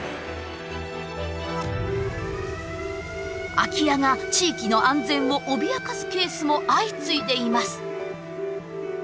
空き家が地域の安全を脅かすケースも相次いでいます。